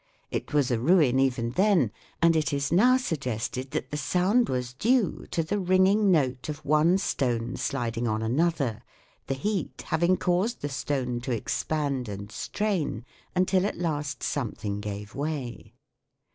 It was a ruin even then, and it is now suggested that the sound was due to the ringing note of one stone sliding on another, the heat having caused the stone to expand and strain until at last some thing gave way.